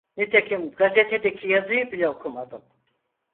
Nitekim gazetedeki yazıyı bile okumadım.